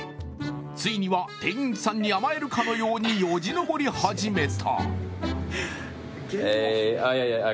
ついには店員さんに甘えるかのようによじ登り始めた。